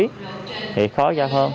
thì khó giao thông